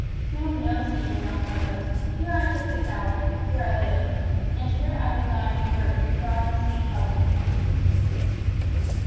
No, no, Señor Don Carlos. Here I took the cowl; here I lived; and here I will die and be buried, God and the saints helping me!"